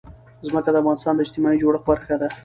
ځمکه د افغانستان د اجتماعي جوړښت برخه ده.